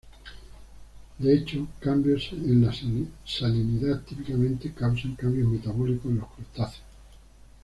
De hecho, cambios en la salinidad típicamente causan cambios metabólicos en los crustáceos.